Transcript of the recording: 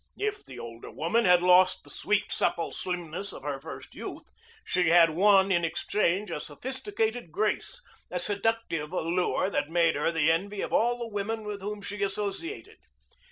If the older woman had lost the sweet, supple slimness of her first youth, she had won in exchange a sophisticated grace, a seductive allure that made her the envy of all the women with whom she associated.